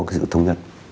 có cái sự thống nhất